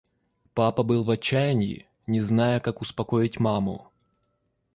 Папа был в отчаянии, не зная, как успокоить маму.